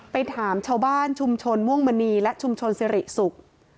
ไปถามชาวบ้านชุมชนม่วงมณีและชุมชนสิริสุข